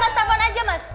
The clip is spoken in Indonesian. udah mas telfon aja mas